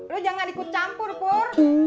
lo jangan ikut campur pur